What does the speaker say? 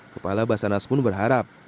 kepala basarnas pun berharap